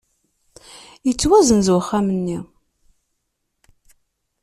Yettwasenz uxxam-nni.